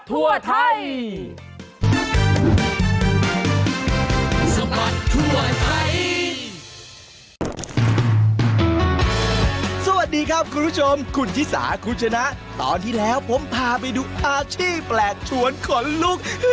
สวัสดีครับคุณผู้ชมคุณชิสาคุณชนะตอนที่แล้วผมพาไปดูอาชีพแปลกชวนขนลุก